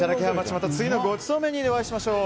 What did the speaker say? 次のごちそうメニューでお会いしましょう。